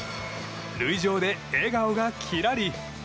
塁上で笑顔がキラリ。